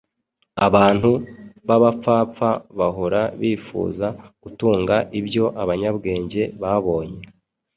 Abantu b’abapfapfa bahora bifuza gutunga ibyo abanyabwenge babonye